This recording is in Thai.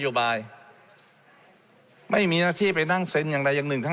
และมีผลกระทบไปทุกสาขาอาชีพชาติ